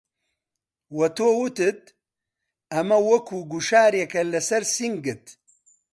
وە تۆ وتت ئەمە وەکوو گوشارێکه لەسەر سنگت